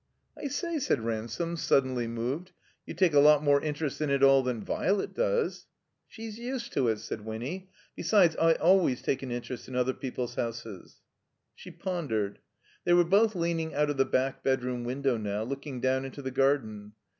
"I say," said Ransome, suddenly moved, "you take a lot more interest in it all than Virelet does." "She's used to it," said Winny. "Besides, I always take an interest in other people's houses." She pondered. They were both leaning out of the back bedroom window now, looking down into the garden.